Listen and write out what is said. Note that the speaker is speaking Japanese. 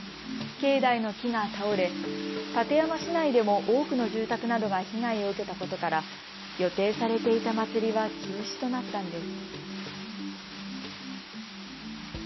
境内の木が倒れ館山市内でも多くの住宅などが被害を受けたことから予定されていた祭りは中止となったんです。